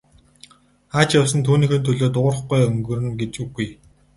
Хаа ч явсан түүнийхээ төлөө дуугарахгүй өнгөрнө гэж үгүй.